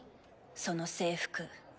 その制服。